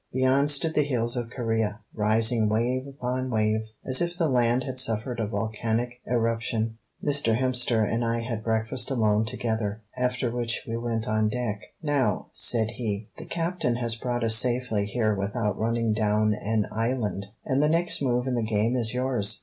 Beyond stood the hills of Corea, rising wave upon wave, as if the land had suffered a volcanic eruption. Mr. Hemster and I had breakfast alone together, after which we went on deck. "Now," said he, "the captain has brought us safely here without running down an island, and the next move in the game is yours.